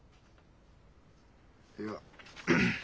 いや。